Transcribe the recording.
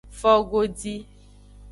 Fogodi.